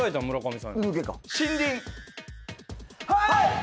はい！